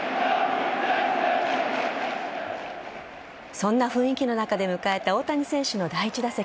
そんな雰囲気の中迎えた大谷選手の第１打席。